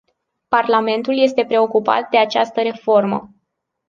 Parlamentul este preocupat de această reformă.